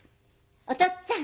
「おとっつぁん